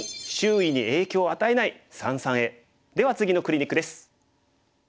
では次のクリニックです。